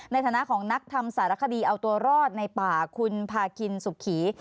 ในฐานะของนักทำสารคดีเอาตัวรอดในป่าคุณพากินสุขี